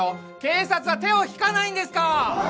警察は手を引かないんですか？